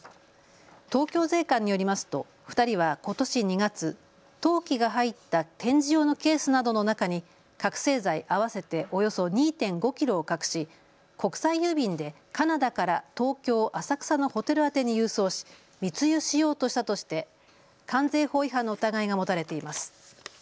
東京税関によりますと２人はことし２月、陶器が入った展示用のケースなどの中に覚醒剤合わせておよそ２．５キロを隠し国際郵便でカナダから東京浅草のホテル宛に郵送し密輸しようとしたとして関税法違反の疑いが持たれています。